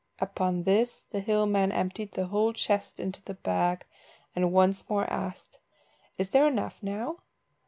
Upon this the hill man emptied the whole chest into the bag, and once more asked "Is there enough now?"